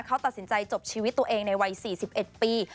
เขาตัดสินใจจบชีวิตตัวเองในวัย๔๑ปี